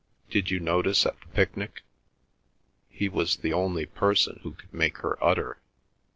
"Did you notice at the picnic? He was the only person who could make her utter."